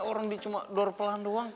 orang di cuma dor pelan doang